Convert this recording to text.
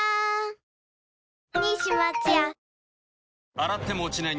洗っても落ちない